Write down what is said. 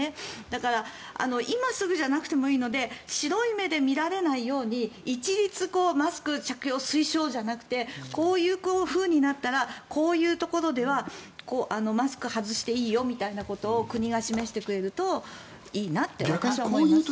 だから今すぐじゃなくてもいいので白い目で見られないように一律マスク着用推奨じゃなくてこういうふうになったらこういうところではマスクを外していいよみたいなことを国が示してくれるといいなと私は思います。